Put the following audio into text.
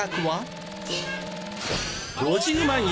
５０万円！